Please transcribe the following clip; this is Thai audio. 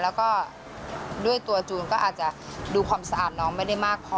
แล้วก็ด้วยตัวจูนก็อาจจะดูความสะอาดน้องไม่ได้มากพอ